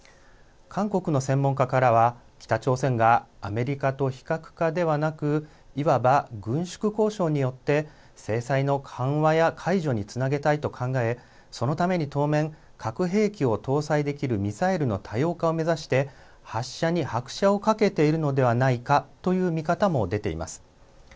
韓国の専門家からは北朝鮮がアメリカと非核化ではなくいわば軍縮交渉によって制裁の緩和や解除につなげたいと考えそのために当面、核兵器を搭載できるミサイルの多様化を目指して発射に拍車をかけているのではないかという見方も出ています。